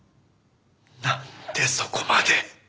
なんでそこまで。